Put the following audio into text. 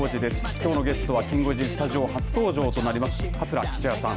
きょうのゲストは、きん５時スタジオ初登場、桂吉弥さん